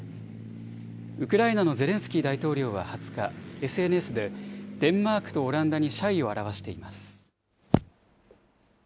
ウクライナのゼレンスキー大統領は２０日、ＳＮＳでデンマークとオランダに謝意を表しています。